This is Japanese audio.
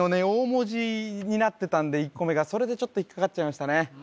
大文字になってたんで１個目がそれで引っ掛かっちゃいましたね